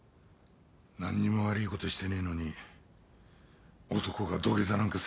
何にも悪いことしてねえのに男が土下座なんかするんじゃねえ。